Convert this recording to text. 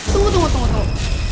tunggu tunggu tunggu